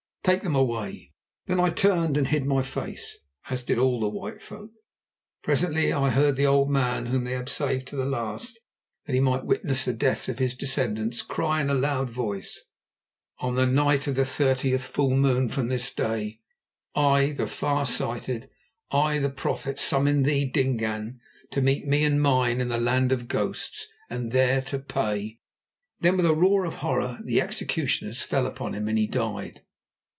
Take them away." Then I turned and hid my face, as did all the white folk. Presently I heard the old man, whom they had saved to the last that he might witness the deaths of his descendants, cry in a loud voice: "On the night of the thirtieth full moon from this day I, the far sighted, I, the prophet, summon thee, Dingaan, to meet me and mine in the Land of Ghosts, and there to pay—" Then with a roar of horror the executioners fell on him and he died.